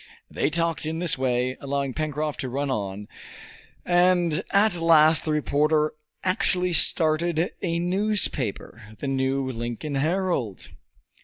They talked in this way, allowing Pencroft to run on, and at last the reporter actually started a newspaper the New Lincoln Herald!